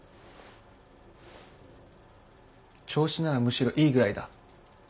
調子ならむしろいいぐらいだ。